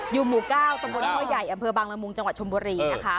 อยู่หมู่ก้าวสมุติธรรมดาใหญ่อำเภอบางละมุงจังหวัดชมบุรีนะคะ